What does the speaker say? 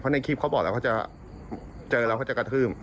เพราะในคลิปเขาบอกแล้วเขาจะเจอเราก็จะกระทืม